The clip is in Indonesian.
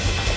ya aku sama